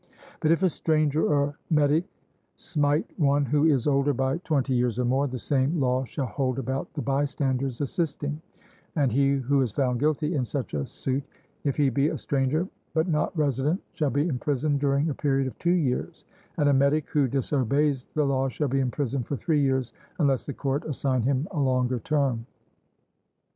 But if a stranger or metic smite one who is older by twenty years or more, the same law shall hold about the bystanders assisting, and he who is found guilty in such a suit, if he be a stranger but not resident, shall be imprisoned during a period of two years; and a metic who disobeys the laws shall be imprisoned for three years, unless the court assign him a longer term.